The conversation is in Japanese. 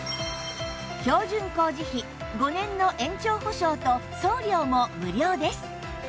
標準工事費５年の延長保証と送料も無料です